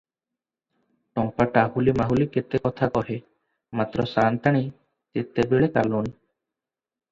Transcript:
ଚମ୍ପା ଟାହୁଲି ମାହୁଲି କେତେ କଥା କହେ; ମାତ୍ର ସାଆନ୍ତାଣୀ ତେତେବେଳେ କାଲୁଣୀ ।